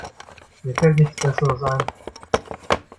Mir fällt nichts besseres ein.